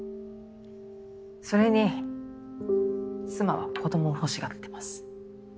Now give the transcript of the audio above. それに妻は子供を欲しがってます。